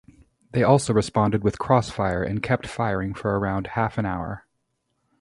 They also responded with cross fire and kept firing for around half an hour.